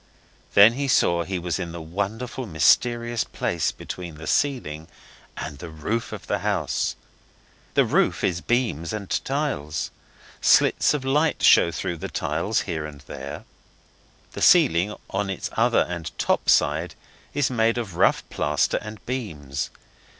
Then he saw he was in the wonderful, mysterious place between the ceiling and the roof of the house. The roof is beams and tiles. Slits of light show through the tiles here and there. The ceiling, on its other and top side, is made of rough plaster and beams.